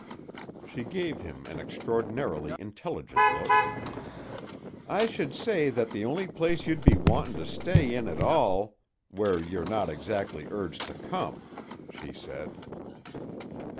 '" She gave him an extraordinarily intelligent look. "I should say that's the only place you'd be wantin' to stay in at all where you're not exactly urged to come," she said.